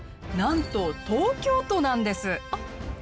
なんと東京都なんです。